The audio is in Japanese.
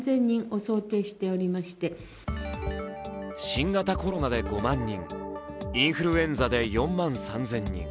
新型コロナで５万人、インフルエンザで４万３０００人。